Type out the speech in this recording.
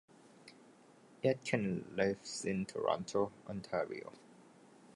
Aitken lives in Toronto, Ontario.